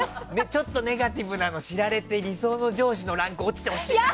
ちょっとネガティブなの知られて理想の上司のランク落ちてほしいな。